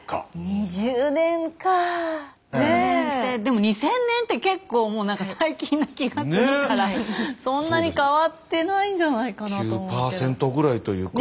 ２０年かでも２０００年って結構最近な気がするからそんなに変わってないんじゃないかなと思うけど。